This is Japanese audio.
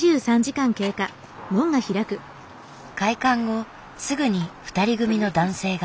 開館後すぐに２人組の男性が。